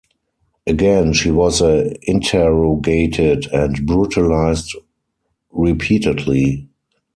Again she was interrogated and brutalized repeatedly.